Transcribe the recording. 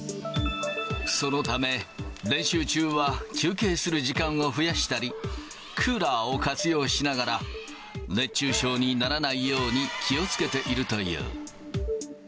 そのため、練習中は休憩する時間を増やしたり、クーラーを活用しながら、熱中症にならないように気をつけているという。